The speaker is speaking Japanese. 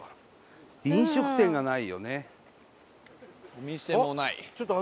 お店もない。